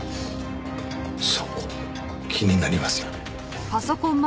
そこ気になりますよね。